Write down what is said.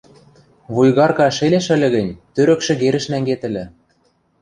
— Вуйгарка шелеш ыльы гӹнь, тӧрӧк шӹгерӹш нӓнгет ыльы.